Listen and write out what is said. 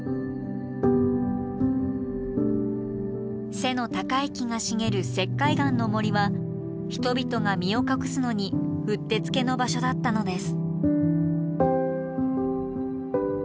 背の高い木が茂る石灰岩の森は人々が身を隠すのにうってつけの場所だったのです。